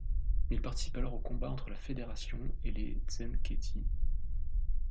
Il participe alors aux combats entre la Fédération et les Tzenkethi.